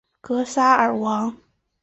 格萨尔王